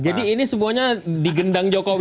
jadi ini semuanya digendang jokowi